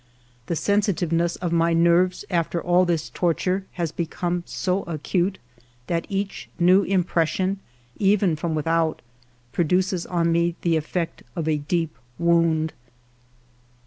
The sensitiveness of my nerves, after all this torture, has become so acute that each new im pression, even from without, produces on me the effect of a deep wound.